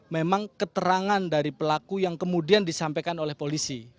memang keterangan dari pelaku yang kemudian disampaikan oleh polisi